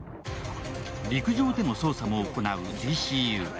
陸上での捜査も行うＤＣＵ。